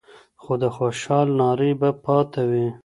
خو د خوشال نارې به پاته وي